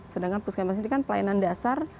sedangkan puskesmas ini kan pelayanan dasar